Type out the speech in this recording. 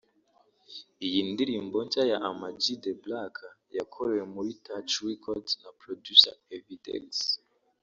Iyi ndirimbo nshya ya Ama G The Black yakorewe muri Touch Record na Producer Evidecks